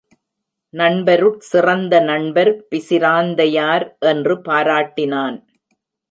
நண்பருட் சிறந்த நண்பர் பிசிராந்தையார்! என்று பாராட்டினான்.